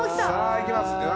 さあいきます。